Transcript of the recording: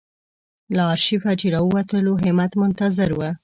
له آرشیفه چې راووتلو همت منتظر و.